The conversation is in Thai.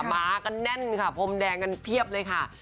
มากันแน่นค่ะพรมแดงกันเพียบเลยค่ะ